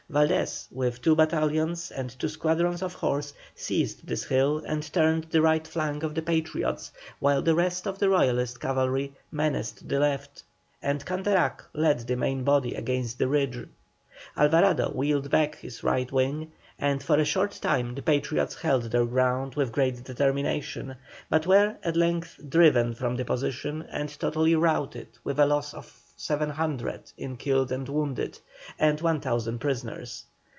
Valdés, with two battalions and two squadrons of horse, seized this hill and turned the right flank of the Patriots, while the rest of the Royalist cavalry menaced the left, and Canterac led the main body against the ridge. Alvarado wheeled back his right wing, and for a short time the Patriots held their ground with great determination, but were at length driven from the position and totally routed with a loss of 700 in killed and wounded, and 1,000 prisoners.